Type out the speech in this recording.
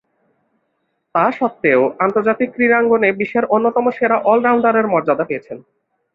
তাস্বত্ত্বেও আন্তর্জাতিক ক্রীড়াঙ্গনে বিশ্বের অন্যতম সেরা অল-রাউন্ডারের মর্যাদা পেয়েছেন।